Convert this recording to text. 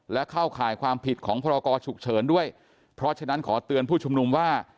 และเข้าข่ายความผิดของพรกรฉุกเฉินด้วยเพราะฉะนั้นขอเตือนผู้ชุมนุมว่า